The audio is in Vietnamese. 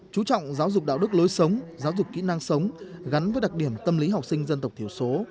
chú trọng giáo dục đạo đức lối sống giáo dục kỹ năng sống gắn với đặc điểm tâm lý học sinh dân tộc thiểu số